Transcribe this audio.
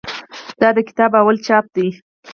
دا د کتاب لومړی چاپ دی.